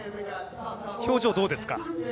表情どうですか？